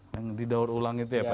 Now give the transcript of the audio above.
yang didaur ulang itu ya pak